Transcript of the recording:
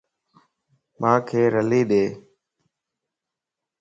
مانک رلي ڏي